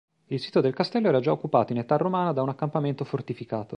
Il sito del castello era già occupato in età romana da un accampamento fortificato.